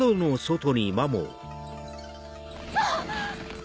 あっ！